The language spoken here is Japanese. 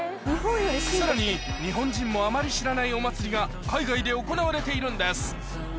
さらに日本人もあまり知らないお祭りが海外で行われているんです